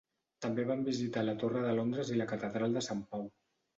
També van visitar la Torre de Londres i la Catedral de Sant Pau.